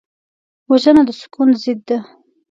وژنه د سکون ضد ده